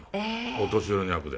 お年寄りの役で。